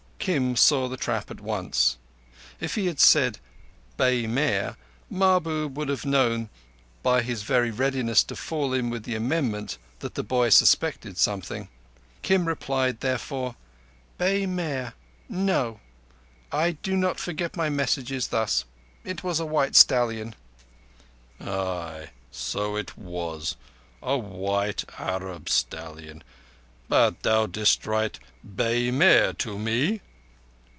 Kim saw the trap at once. If he had said "bay mare" Mahbub would have known by his very readiness to fall in with the amendment that the boy suspected something. Kim replied therefore: "Bay mare. No. I do not forget my messages thus. It was a white stallion." "Ay, so it was. A white Arab stallion. But thou didst write 'bay mare' to me."